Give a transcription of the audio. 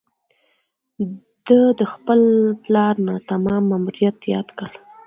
ده د خپل پلار ناتمام ماموریت یاد کړ.